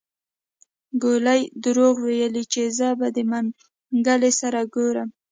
ګولي دروغ ويلي زه به د منګلي سره ګورم.